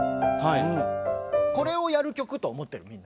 これをやる曲と思ってるみんな。